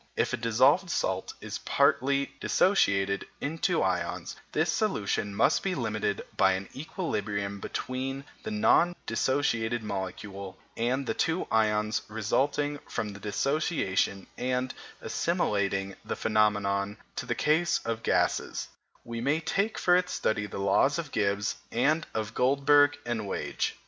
If a dissolved salt is partly dissociated into ions, this solution must be limited by an equilibrium between the non dissociated molecule and the two ions resulting from the dissociation; and, assimilating the phenomenon to the case of gases, we may take for its study the laws of Gibbs and of Guldberg and Waage.